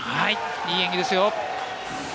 いい演技ですよ。